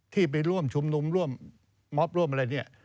ที่ไปร่วมชุมนุมร่วมมอบร่วมอะไรเนี่ย